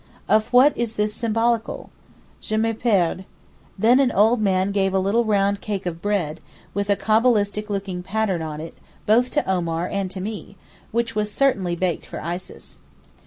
Of what is this symbolical? Je m'y perds. Then an old man gave a little round cake of bread, with a cabalistic looking pattern on it, both to Omar and to me, which was certainly baked for Isis.